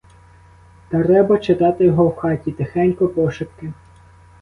Треба читати його в хаті, тихенько, пошепки.